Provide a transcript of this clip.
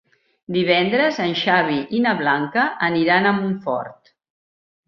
Divendres en Xavi i na Blanca aniran a Montfort.